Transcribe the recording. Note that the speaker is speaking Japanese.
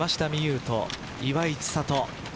有と岩井千怜。